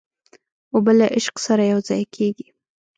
اوبه له عشق سره یوځای کېږي.